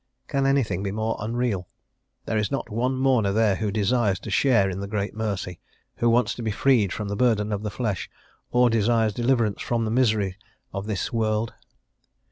Can anything be more unreal? There is not one mourner there who desires to share in the great mercy, who wants to be freed from the burden of the flesh, or desires deliverance from the miseries of this world.